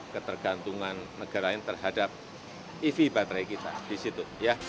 ketergantungan negara lain terhadap ev baterai kita di situ